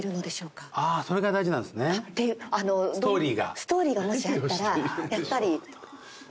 ストーリーがもしあったらやっぱり結構何か。